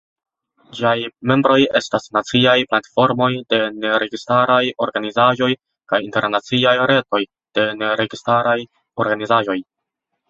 Ĝiaj membroj estas naciaj platformoj de neregistaraj organizaĵoj kaj internaciaj retoj de neregistaraj organizaĵoj.